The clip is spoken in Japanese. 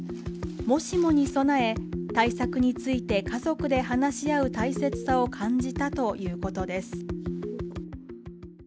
もしもに備え対策について家族で話し合う大切さを感じたということです。